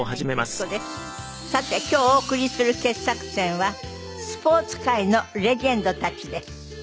さて今日お送りする傑作選はスポーツ界のレジェンドたちです。